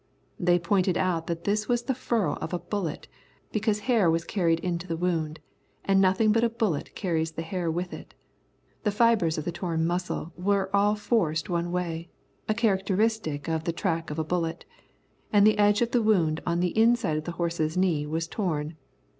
They pointed out that this was the furrow of a bullet, because hair was carried into the wound, and nothing but a bullet carries the hair with it. The fibres of the torn muscle were all forced one way, a characteristic of the track of a bullet, and the edge of the wound on the inside of the horse's knee was torn.